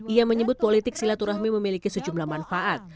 ia menyebut politik silaturahmi memiliki sejumlah manfaat